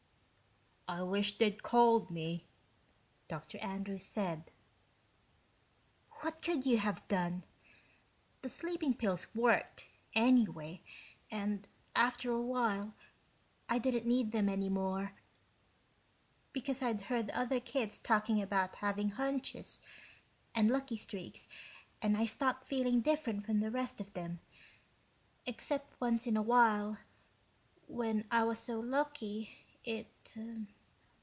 "I wish they'd called me," Dr. Andrews said. "What could you have done? The sleeping pills worked, anyway, and after a while I didn't need them any more, because I'd heard other kids talking about having hunches and lucky streaks and I stopped feeling different from the rest of them, except once in a while, when I was so lucky it